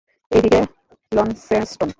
এই দিকে লন্সেস্টন?